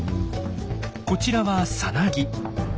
こちらはさなぎ。